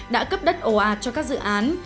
đã cấp đất ồ ạt cho các dự án